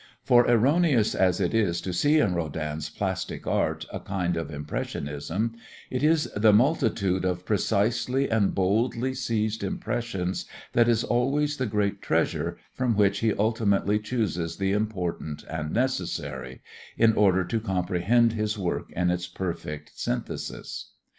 For erroneous as it is to see in Rodin's plastic art a kind of Impressionism, it is the multitude of precisely and boldly seized impressions that is always the great treasure from which he ultimately chooses the important and necessary, in order to comprehend his work in its perfect synthesis.